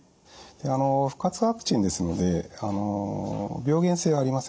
で不活化ワクチンですので病原性はありません。